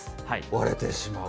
割れてしまう。